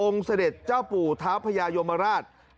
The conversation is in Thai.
เสด็จเจ้าปู่ท้าพญายมราช